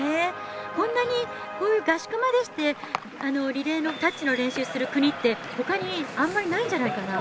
こんなに合宿までしてリレーのタッチの練習をする国ってほかにあんまりないんじゃないかな。